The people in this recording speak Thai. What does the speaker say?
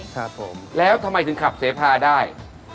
ทำไมถึงขับเศษภาได้